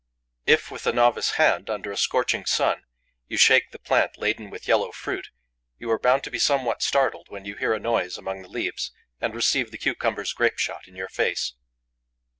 If, with a novice hand, under a scorching sun, you shake the plant laden with yellow fruit, you are bound to be somewhat startled when you hear a noise among the leaves and receive the cucumber's grapeshot in your face.